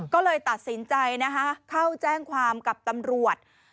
ก็เลยตัดสินใจนะคะเข้าแจ้งความกับตำรวจ